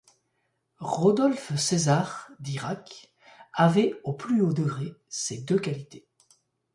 Rodolphe Cézard, dit Rac, avait au plus haut degré ces deux qualités.